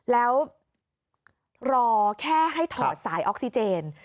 แล้วรอแค่ให้ถอดสายออกซิเจน